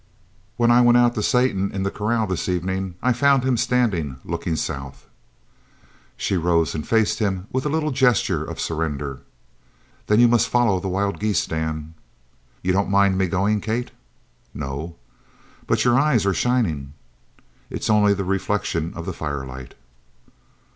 "When I went out to Satan in the corral this evenin', I found him standin' lookin' south." She rose and faced him with a little gesture of surrender. "Then you must follow the wild geese, Dan!" "You don't mind me goin', Kate?" "No." "But your eyes are shinin'!" "It's only the reflection of the firelight."